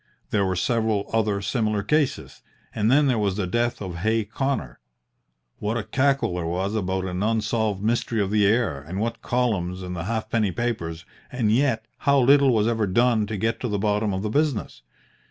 There were several other similar cases, and then there was the death of Hay Connor. What a cackle there was about an unsolved mystery of the air, and what columns in the halfpenny papers, and yet how little was ever done to get to the bottom of the business!